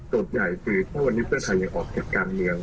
โจทย์ใหญ่คือถ้าวันนี้เตือนไทยยังออกเก็บการเมือง